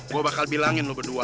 gue bakal bilangin lu berdua